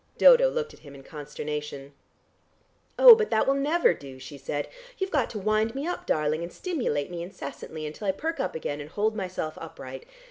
Dodo looked at him in consternation. "Oh, but that will never do," she said. "You've got to wind me up, darling, and stimulate me incessantly until I perk up again and hold myself upright.